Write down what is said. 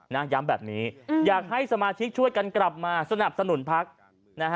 ย้ำแบบนี้อยากให้สมาชิกช่วยกันกลับมาสนับสนุนพักนะฮะ